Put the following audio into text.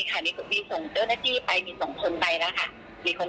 ค่ะมีค่ะมีส่งเจ้าหน้าที่ไปมีส่งทนไปแล้วค่ะ